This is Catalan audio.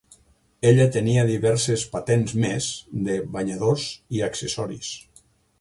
Ella tenia diverses patents més de banyadors i accessoris.